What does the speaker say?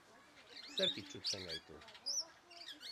Zerk itsutzen gaitu?